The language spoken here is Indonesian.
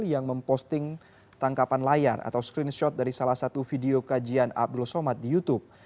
yang memposting tangkapan layar atau screenshot dari salah satu video kajian abdul somad di youtube